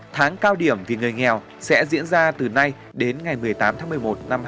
tháng cao điểm vì người nghèo sẽ diễn ra từ nay đến ngày một mươi tám tháng một mươi một năm hai nghìn hai mươi